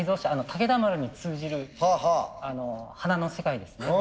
武田丸に通じる華の世界ですねこれは。